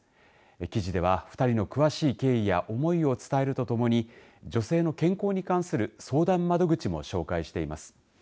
記事では２人の詳しい経緯や思いを伝えるとともに女性の健康に関する相談窓口も紹介しています。